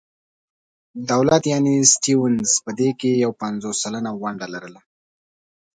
دولت یعنې سټیونز په دې کې یو پنځوس سلنه ونډه لرله.